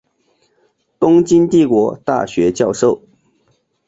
东京帝国大学教授。